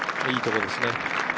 いいところですね。